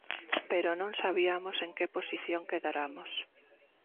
Pero non sabiamos en que posición quedaramos.